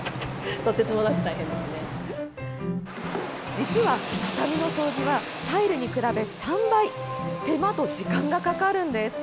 実は、畳の掃除はタイルに比べ３倍手間と時間がかかるんです。